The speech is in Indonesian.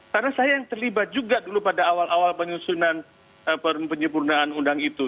karena saya yang terlibat juga dulu pada awal awal penyusunan penyempurnaan undang itu